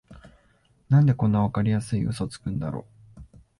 なんでこんなわかりやすいウソつくんだろ